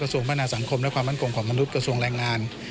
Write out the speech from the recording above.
ส่วนพัฒนาสังคมและความมั่นคงของมนุษย์กระทรวงแรงงาน